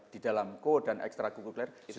di dalam kode dan ekstra guguk layer